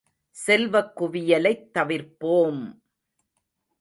செல்வக் குவியலைத் தவிர்ப்போம்!